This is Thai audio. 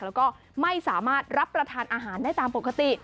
แล้วก็ไม่สามารถรับประทานอาหารได้ตามปกติ